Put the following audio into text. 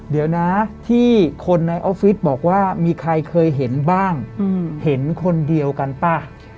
เดี๋ยวนะที่คนในออฟฟิศบอกว่ามีใครเคยเห็นบ้างเห็นคนเดียวกันป่ะ